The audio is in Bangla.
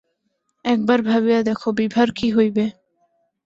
একবার ভাবিয়া দেখ বিভার কি হইবে!